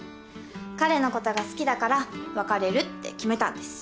彼のことが好きだから別れるって決めたんです。